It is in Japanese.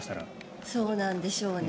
そうなんでしょうね。